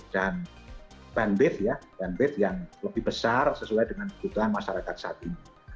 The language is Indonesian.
dan fanbase yang lebih besar sesuai dengan kebutuhan masyarakat saat ini